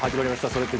「それって！？